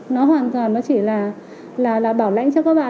nó hoàn toàn nó chỉ là bảo lãnh cho các bạn